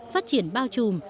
phát triển bao trùm